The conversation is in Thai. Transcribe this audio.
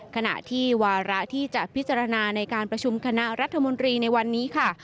ขณะที่วาระที่จะพิจารณาในการประชุมคณะรัฐมนตรีในวันนี้ค่ะ